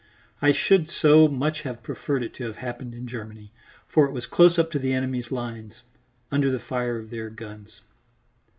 I should so much have preferred it to have happened in Germany, for it was close up to the enemy's lines, under fire of their guns.